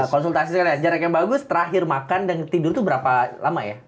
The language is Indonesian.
konsultasi sekali jarak yang bagus terakhir makan dan tidur itu berapa lama ya